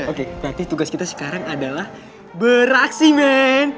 oke berarti tugas kita sekarang adalah beraksi men